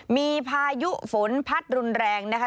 มีพายุฝนพัดรุนแรงนะคะ